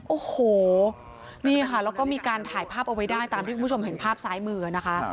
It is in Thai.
โอ้โหนี่ค่ะแล้วก็มีการถ่ายภาพเอาไว้ได้ตามที่คุณผู้ชมเห็นภาพซ้ายมือนะคะ